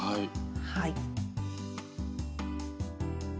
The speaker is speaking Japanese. はい。